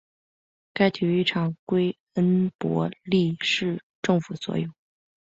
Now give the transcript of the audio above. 该体育场归恩波利市政府所有。